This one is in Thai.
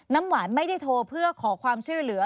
น้ำหวานไม่ได้โทรเพื่อขอความช่วยเหลือ